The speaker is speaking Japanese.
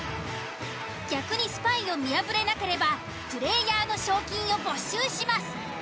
逆にスパイを見破れなければプレイヤーの賞金を没収します。